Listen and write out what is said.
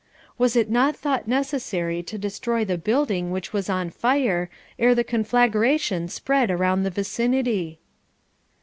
Was it not thought necessary to destroy the building which was on fire, ere the conflagration spread around the vicinity?'